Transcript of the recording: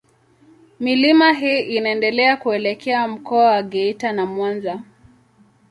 Milima hii inaendelea kuelekea Mkoa wa Geita na Mwanza.